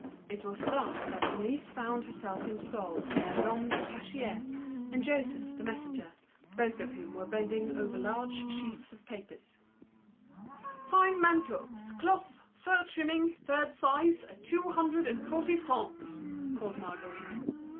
It was thus that Denise found herself installed near Lhomme the cashier and Joseph the messenger, both bending over large sheets of paper. "Five mantles, cloth, fur trimming, third size, at two hundred and forty francs!" cried Marguerite.